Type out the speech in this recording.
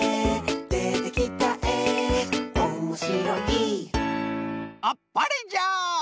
「でてきたえおもしろい」あっぱれじゃ！